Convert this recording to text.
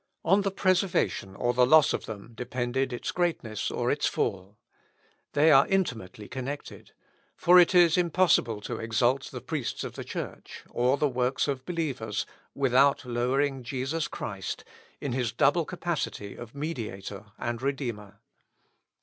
On the preservation or the loss of them depended its greatness or its fall. They are intimately connected; for it is impossible to exalt the priests of the church, or the works of believers, without lowering Jesus Christ in his double capacity of Mediator and Redeemer.